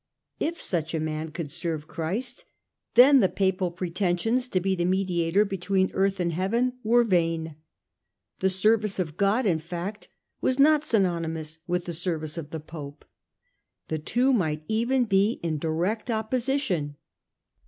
If such a man could serve Christ, then the Papal pretensions to be the media tor between earth and Heaven were vain. The service of God, in fact, was not synonymous with the service of the Pope :] the two might even be in direct oppo sition.